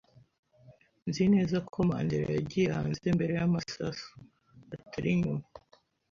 Nzi neza ko Mandera yagiye hanze mbere y’amasasu, atari nyuma.